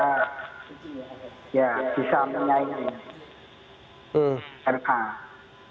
ya bisa menyaingkan